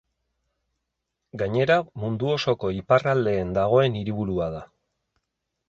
Gainera Mundu osoko iparraldeen dagoen hiriburua da.